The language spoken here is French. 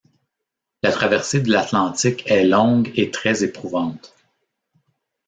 La traversée de l’Atlantique est longue et très éprouvante.